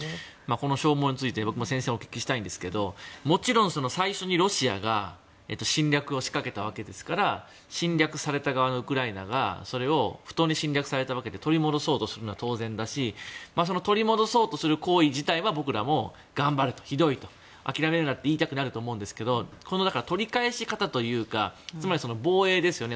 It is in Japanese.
この消耗について僕も先生にお聞きしたいんですけどもちろん、最初にロシアが侵略を仕掛けたわけですから侵略された側のウクライナがそれを不当に侵略されたわけで取り戻そうとするのは当然だし取り戻そうとする行為自体は僕らも頑張れとひどいと、諦めるなと言いたくなると思うんですがこの取り返し方というかつまり防衛ですよね。